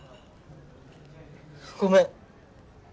ごめん。